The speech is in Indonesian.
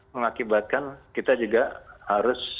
mengakibatkan kita juga harus